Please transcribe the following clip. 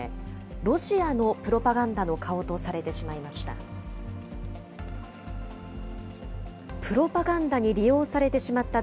ロシアのプロパガンダの顔とされてしまいました。